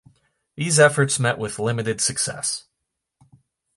These efforts met with limited success.